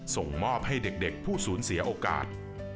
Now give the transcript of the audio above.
ส่งมอบให้เด็กผู้สูญเสียโอกาส